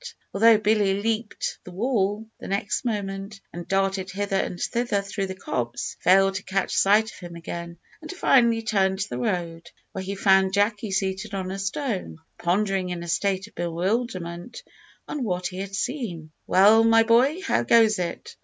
Although Billy leaped the wall the next moment, and darted hither and thither through the copse, he failed to catch sight of him again, and finally returned to the road, where he found Jacky seated on a stone, pondering in a state of bewilderment on what he had seen. "Well, my boy, how goes it?"